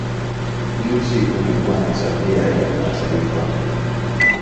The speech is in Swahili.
Mji umekuwa na tabia ya kimataifa.